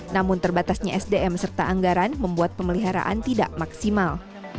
namun terbatasnya sdm serta anggaran membuat pemeliharaan tidak maksimal